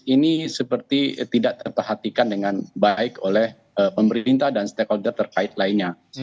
ini seperti tidak terperhatikan dengan baik oleh pemerintah dan stakeholder terkait lainnya